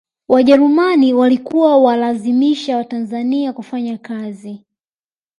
wajerumani walikuwa walazimisha watanzania kufanya kazi